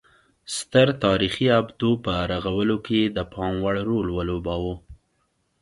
ستر تاریخي ابدو په رغولو کې یې د پام وړ رول ولوباوه